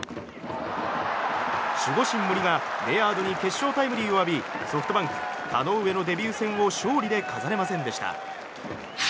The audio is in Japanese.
守護神、森がレアードに決勝タイムリーを浴びソフトバンク田上のデビュー戦を勝利で飾れませんでした。